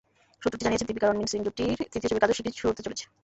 সূত্রটি জানিয়েছে, দীপিকা-রণবীর সিং জুটির তৃতীয় ছবির কাজও শিগগিরই শুরু হতে চলেছে।